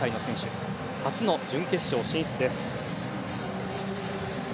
初の準決勝進出です。